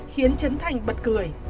khiến trấn thành bật cười